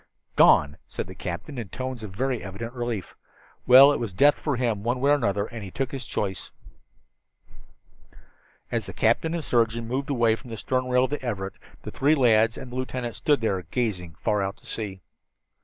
"Gone," said the captain in tones of very evident relief. "Well, it was death for him, one way or another, and he took his choice." As the captain and surgeon moved away from the stern rail of the Everett, the three lads and the lieutenant still stood there, gazing far out to sea.